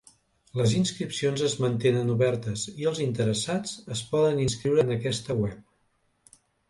Les inscripcions es mantenen obertes, i els interessats es poden inscriure en aquesta web.